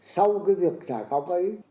sau cái việc giải phóng ấy